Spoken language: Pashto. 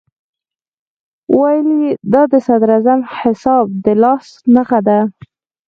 ویل یې دا د صدراعظم صاحب د لاس نښه ده.